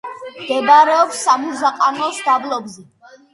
მდებარეობს სამურზაყანოს დაბლობზე.